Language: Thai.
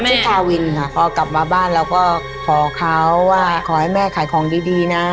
ทาวินค่ะพอกลับมาบ้านเราก็ขอเขาว่าขอให้แม่ขายของดีนะ